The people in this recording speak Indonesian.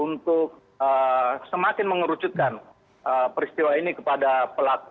untuk semakin mengerucutkan peristiwa ini kepada pelaku